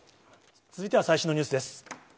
続いては最新のニュースです。